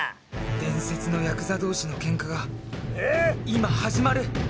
伝説のヤクザ同士のケンカが今始まる！